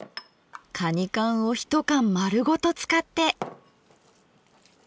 かに缶を一缶丸ごと使って。